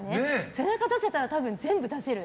背中出せたら、全部出せる。